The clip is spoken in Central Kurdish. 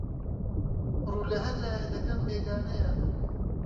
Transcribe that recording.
ڕوو لەهەر لایێ دەکەم بێگانەیە